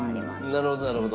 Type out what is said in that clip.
なるほどなるほど。